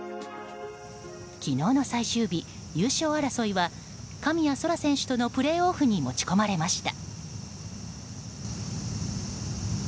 昨日の最終日優勝争いは神谷そら選手とのプレーオフに持ち込まれました。